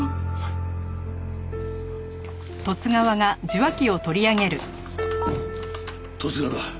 十津川だ。